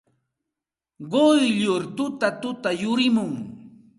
Quyllur tutatuta yurimun.